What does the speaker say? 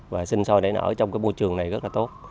và sinh sôi để ở trong cái môi trường này rất là tốt